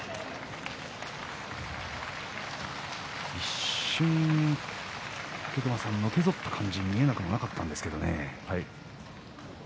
一瞬、武隈さん、のけぞった感じに見えなくもなかったんですがね。